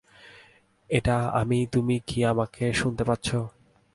এটা আমি তুমি কি আমাকে শুনতে পাচ্ছো?